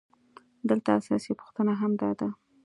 دلته اساسي پوښتنه هم همدا ده